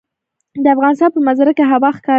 د افغانستان په منظره کې هوا ښکاره ده.